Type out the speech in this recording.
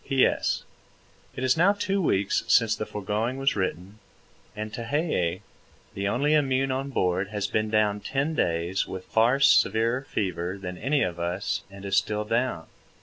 P.S. It is now two weeks since the foregoing was written, and Tehei, the only immune on board has been down ten days with far severer fever than any of us and is still down.